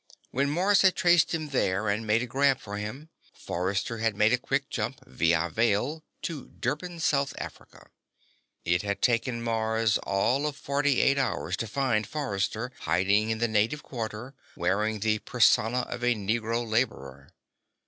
When Mars had traced him there and made a grab for him, Forrester had made a quick jump, via Veil, to Durban, South Africa. It had taken Mars all of forty eight hours to find Forrester hiding in the native quarter, wearing the persona of a Negro laborer.